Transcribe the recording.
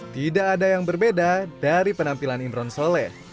tidak ada yang berbeda dari penampilan imron soleh